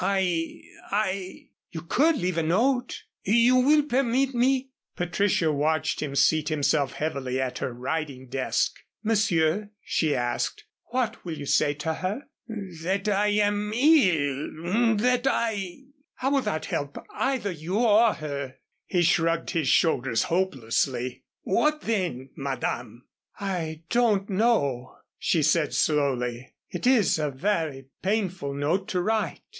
"I I " "You could leave a note." "You will permit me?" Patricia watched him seat himself heavily at her writing desk. "Monsieur," she asked, "what will you say to her?" "That I am ill that I " "How will that help either you or her?" He shrugged his shoulders hopelessly. "What then, Madame?" "I don't know," she said, slowly. "It is a very painful note to write.